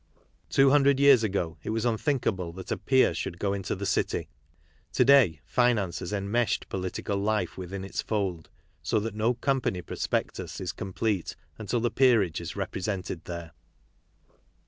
Two hundred years ago, it was unthinkable that a peer should go into the city; to day, finance has enmeshed political life within its fold, so that no company prospectus is complete until the peerage is represented there.